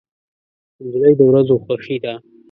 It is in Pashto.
نجلۍ د ورځو خوښي ده.